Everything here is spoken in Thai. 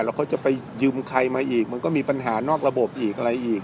แล้วก็จะไปยืมใครมาอีกมันก็มีปัญหานอกระบบอีกอะไรอีก